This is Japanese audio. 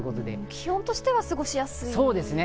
気温としては過ごしやすいですね。